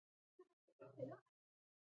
د افغانستان په منظره کې کلتور ښکاره ده.